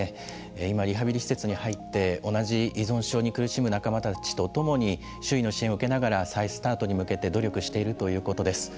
今、リハビリ施設に入って同じ依存症に苦しむ仲間たちと共に周囲の支援を受けながら再スタートに向けて努力しているということです。